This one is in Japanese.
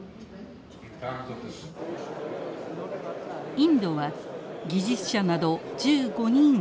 インドは技術者など１５人を派遣。